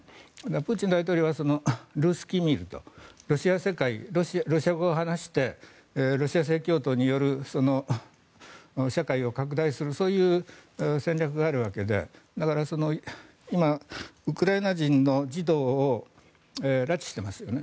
プーチン大統領はルースキー・ミールとロシア語を話してロシア正教徒による社会を拡大するそういう戦略があるわけでだから今、ウクライナ人の児童を拉致していますよね。